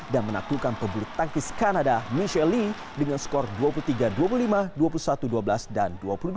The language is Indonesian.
dan menaklukkan pebulu tangkis kanada michelle lee dengan skor dua puluh tiga dua puluh lima dua puluh satu dua belas dan dua puluh dua dua puluh